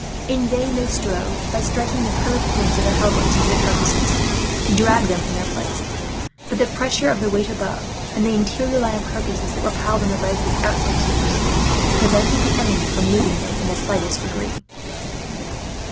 In vain they strove, by striking the curved points of their halberts into the carcasses, to drag them from their place; but the pressure of the weight above, and of the interior line of carcasses that were piled on the legs of the outside tiers, prevented the enemy from moving them in the slightest degree.